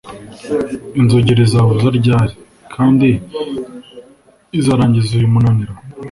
inzogera izavuza ryari, kandi izarangiza uyu munaniro